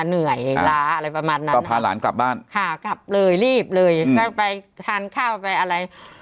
เหนื่อยล้าอะไรประมาณนั้นก็พาหลานกลับบ้านค่ะกลับเลยรีบเลยถ้าไปทานข้าวไปอะไร